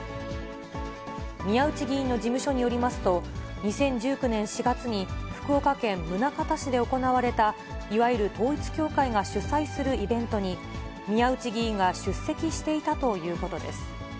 宮内議員の事務所によりますと、２０１９年４月に、福岡県宗像市で行われた、いわゆる統一教会が主催するイベントに、宮内議員が出席していたということです。